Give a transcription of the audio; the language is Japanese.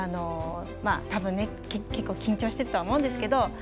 たぶん、結構緊張してるとは思うんですけど。